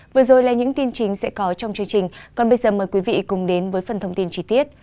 vừa rồi là những tin chính sẽ có trong chương trình còn bây giờ mời quý vị cùng đến với phần thông tin trí tiết